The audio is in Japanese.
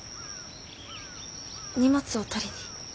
荷物を取りに。